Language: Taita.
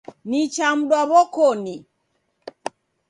Nichamdwa w'okoni.